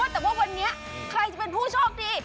แต่ว่าวันนี้ใครจะเป็นผู้โชคดี